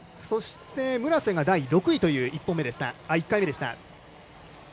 そして、村瀬が第６位という１回目でした。